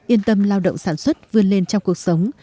yên tâm lao động sản xuất vươn lên trong cuộc sống